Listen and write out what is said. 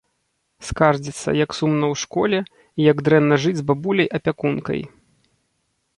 Скардзіцца, як сумна ў школе і як дрэнна жыць з бабуляй-апякункай.